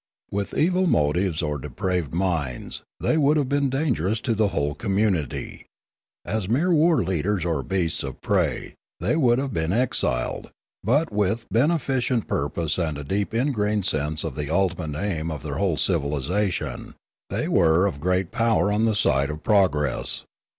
With evil motives or depraved minds, they would have been dangerous to the whole community: as mere war leaders or beasts of prey they would have been exiled; but with beneficent purpose and a deep ingrained sense of the ultimate aim of their whole civilisation, they were of great power on the side of progress.